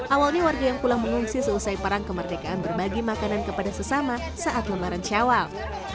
awalnya warga yang pulang mengungsi seusai perang kemerdekaan berbagi makanan kepada sesama saat lembaran syawal